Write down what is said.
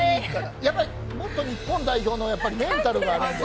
やっぱり元日本代表のメンタルがあるんで。